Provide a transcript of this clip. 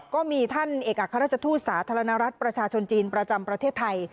ก็มีท่านเอกอัครราชทูตสาธารณรัฐประชาชนจีนประจำประเทศไทย